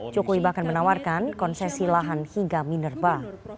jokowi bahkan menawarkan konsesi lahan hingga minerba